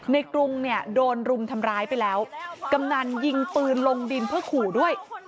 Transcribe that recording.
กรุงเนี่ยโดนรุมทำร้ายไปแล้วกำนันยิงปืนลงดินเพื่อขู่ด้วย